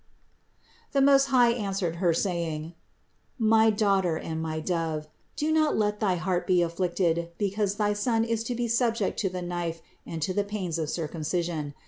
518. The Most High answered Her, saying: "My Daughter and my Dove, do not let thy heart be afflicted because thy Son is to be subjected to the knife and to the pains of circumcision.